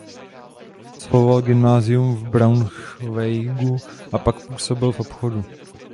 Absolvoval gymnázium v Braunschweigu a pak působil v obchodu.